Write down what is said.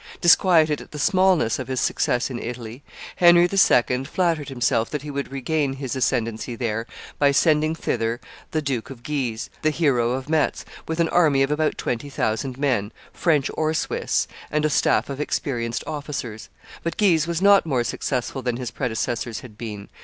Disquieted at the smallness of his success in Italy, Henry II. flattered himself that he would regain his ascendency there by sending thither the Duke of Guise, the hero of Metz, with an army of about twenty thousand men, French or Swiss, and a staff of experienced officers; but Guise was not more successful than his predecessors had been.